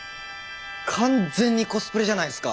完全にコスプレじゃないすか。